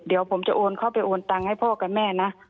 เดี๋ยวผมจะโอนเข้าไปโอนตังค์ให้พ่อกับแม่นะ